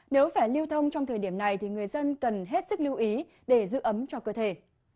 nếu phải lưu thông trong thời điểm này thì người dân cần hết sức lưu ý để giữ ấm cho cơ thể